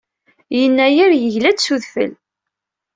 Yennayer yegla-d s udfel.